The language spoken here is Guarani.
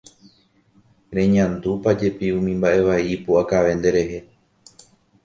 Reñandúpajepi umi mba'evai ipu'akave nderehe.